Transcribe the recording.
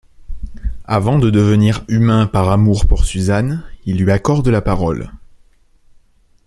Avant de devenir humain par amour pour Susan, il lui accorde la parole...